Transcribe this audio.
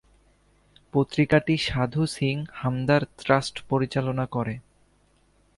পত্রিকাটি সাধু সিং হামদর্দ ট্রাস্ট পরিচালনা করে।